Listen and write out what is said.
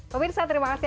pemirsa terima kasih